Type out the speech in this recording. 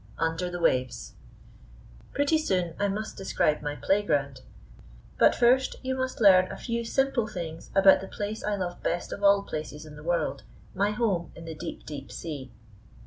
UNDER THE WAVES Pretty soon I must describe my playground, but first you must learn a few simple things about the place I love best of all places in the world, my home in the deep, deep sea.